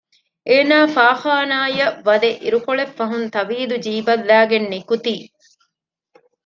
އޭނާ ފާޚާނާޔަށް ވަދެ އިރުކޮޅެއްފަހުން ތަވީދު ޖީބަށް ލައިގެން ނިކުތީ